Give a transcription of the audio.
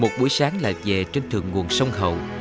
một buổi sáng là về trên thượng nguồn sông hậu